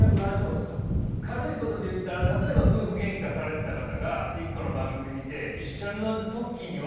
軽いことで言ったら例えば夫婦げんかされてた方が１個の番組見て一緒の時に笑った。